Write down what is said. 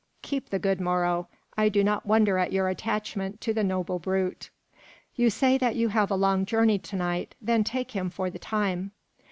Keep the good Moro. I do not wonder at your attachment to the noble brute." "You say that you have a long journey to night. Then take him for the time."